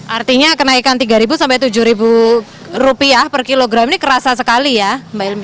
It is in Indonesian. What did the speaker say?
artinya kenaikan rp tiga sampai rp tujuh per kilogram ini kerasa sekali ya mbak ilmi